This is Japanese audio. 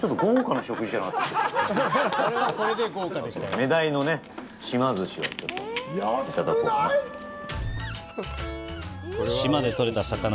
メダイのね、島寿司をちょっといただこうかな。